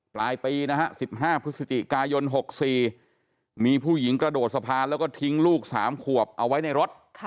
ปลายปีนะฮะ๑๕พฤศจิกายน๖๔มีผู้หญิงกระโดดสะพานแล้วก็ทิ้งลูก๓ขวบเอาไว้ในรถ